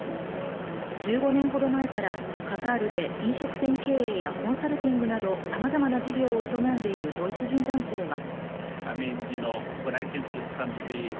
１５年ほど前からカタールで飲食店経営やコンサルティングなど、様々な事業を営んでいるドイツ人男性は。